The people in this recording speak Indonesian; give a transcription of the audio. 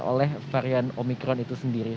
oleh omikron itu sendiri